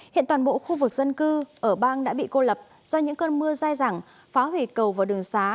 hiện toàn bộ khu vực dân cư ở bang đã bị cô lập do những cơn mưa dai rẳng phá hủy cầu và đường xá